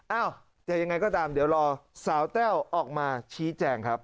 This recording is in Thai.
เอ้าจะยังไงก็ตามเดี๋ยวรอสาวแต้วออกมาชี้แจงครับ